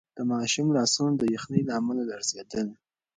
د ماشوم لاسونه د یخنۍ له امله لړزېدل.